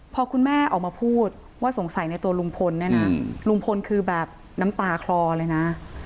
พอคุณแม่ออกมาพูดว่าสงสัยในตัวลุงพลเนี่ยนะลุงพลคือแบบน้ำตาคลอเลยนะ